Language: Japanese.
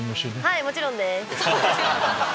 はいもちろんです。